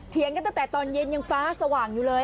เถียงกันตั้งแต่ตอนเย็นยังฟ้าสว่างอยู่เลย